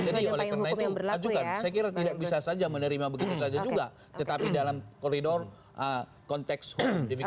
jadi oleh karena itu ajukan saya kira tidak bisa saja menerima begitu saja juga tetapi dalam koridor konteks hukum demikian